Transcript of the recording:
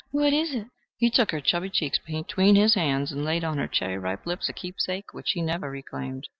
"What is it?" He took her chubby cheeks between his hands and laid on her cherry ripe lips a keepsake which he never reclaimed.